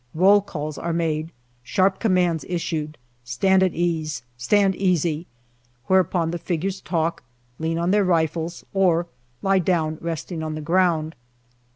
Roll calls are made, sharp commands issued :" Stand at ease !"" Stand easy !" whereupon the figures talk, lean on their rifles, or lie down resting on the ground.